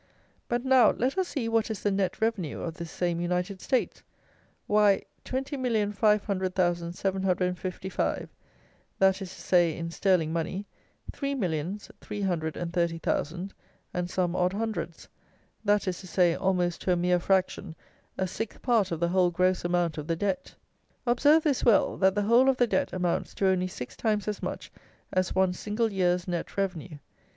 But now let us see what is the net revenue of this same United States. Why, 20,500,755, that is to say, in sterling money, three millions, three hundred and thirty thousand, and some odd hundreds; that is to say, almost to a mere fraction, a sixth part of the whole gross amount of the debt. Observe this well, that the whole of the debt amounts to only six times as much as one single year's net revenue.